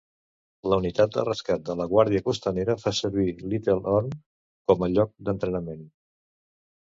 La Unitat de Rescat de la Guàrdia Costanera fa servir Little Orme com a lloc d'entrenament.